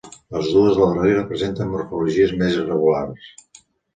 Les dues del darrere presenten morfologies més irregulars.